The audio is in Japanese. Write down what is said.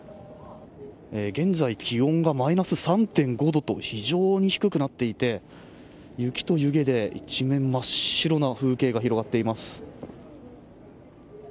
現在、気温がマイナス３．５度と非常に低くなっていて雪と湯気で一面、真っ白な風景が広がっています。